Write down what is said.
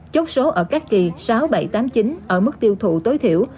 chốt số ở các kỳ sáu bảy tám chín ở mức tiêu thụ tối thi